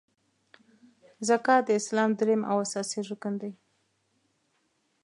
زکات د اسلام دریم او اساسې رکن دی .